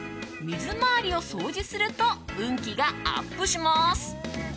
水回りを掃除すると運気がアップします。